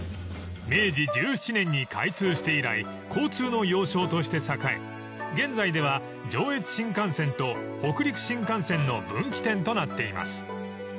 ［明治１７年に開通して以来交通の要衝として栄え現在では上越新幹線と北陸新幹線の分岐点となっています］